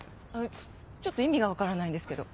ちょっと意味が分からないんですけど。